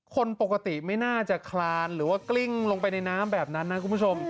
คนปกติไม่น่าจะคลานหรือว่ากลิ้งลงไปในน้ำแบบนั้นนะคุณผู้ชม